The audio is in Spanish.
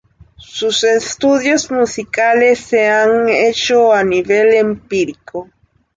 Sus estudios musicales se han hecho a nivel empírico.